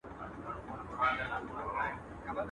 خپلي پښې د خپلي کمبلي سره غځوه.